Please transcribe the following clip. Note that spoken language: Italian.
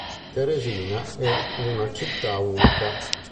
Teresina è una città unica.